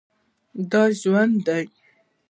دا ژوندی دی